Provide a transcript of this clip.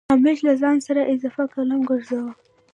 همېش له ځان سره اضافه قلم ګرځوه